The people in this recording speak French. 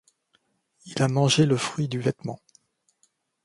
Il a mangé le fruit du vêtement.